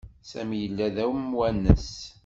Sami yella d amwanes.